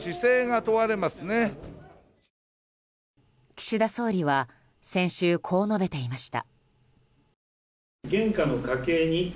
岸田総理は先週、こう述べていました。